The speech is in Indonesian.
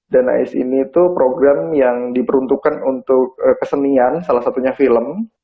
ais ini itu program yang diperuntukkan untuk kesenian salah satunya film